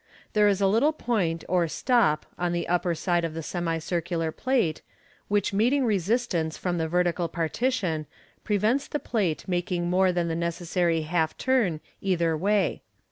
There is a little point or stop on the upper side of the semi* circular plate, which meeting resistance from the vertical partition, prevents the plate making more than the necessary half turn either way.